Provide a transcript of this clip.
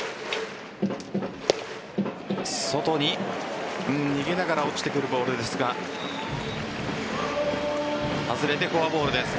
外に逃げながら落ちてくるボールですが外れてフォアボールです。